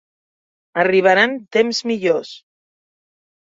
Arribaran temps millors.